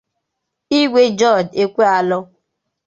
Igwe George Ekwealor